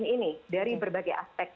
ini dari berbagai aspek